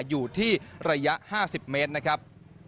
อยู่ที่ระยะ๕๐เมตรนะครับ